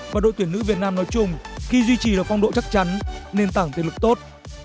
và đội tuyển nữ việt nam nói chung khi duy trì được phong độ chắc chắn nền tảng tiền lực tốt